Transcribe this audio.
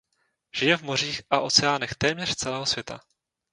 Žije v mořích a oceánech téměř celého světa.